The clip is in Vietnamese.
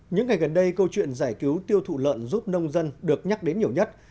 những ngày gần đây câu chuyện giải cứu tiêu thụ lợn giúp nông dân được nhắc đến nhiều nhất